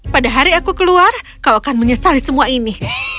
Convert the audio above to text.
pada hari aku keluar kau akan menyesali semua ini